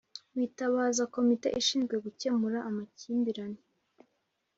bitabaza Komite ishinzwe gukemura amakimbirane